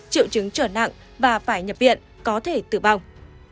triệu chứng trở nặng và phải nhập viện có thể tử vong